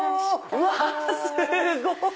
うわすごい！